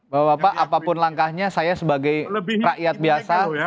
bapak bapak apapun langkahnya saya sebagai rakyat biasa